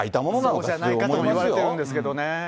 そうじゃないかといわれてるんですけどね。